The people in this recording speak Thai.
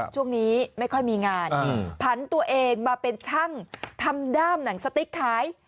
ช่วงนี้ไม่ค่อยมีงานผันตัวเองมาเป็นช่างทำด้ามหนังสติ๊กขาย